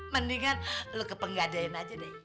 mendingan lu kepenggadain aja deh